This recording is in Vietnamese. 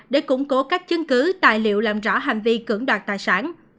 để củng cố các chứng cứ tài liệu làm rõ hành vi cưỡng đoạt tài sản